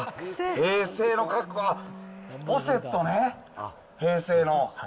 平成の格好、ポシェットね、平成の。